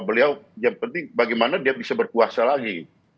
beliau yang penting bagaimana dia bisa berkuasa lagi